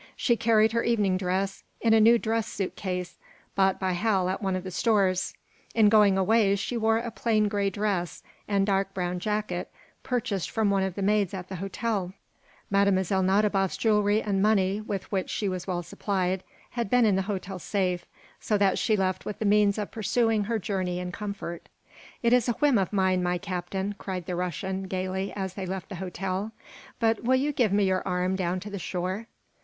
She carried her evening dress in a new dress suit case bought by Hal at one of the stores. In going away she wore a plain gray dress and dark brown jacket purchased from one of the maids at the hotel. Mlle. Nadiboff's jewelry and money, with which she was well supplied, had been in the hotel safe, so that she left with the means of pursuing her journey in comfort. "It is a whim of mine, my Captain," cried the Russian, gayly, as they left the hotel, "but will you give me your arm down to the shore?"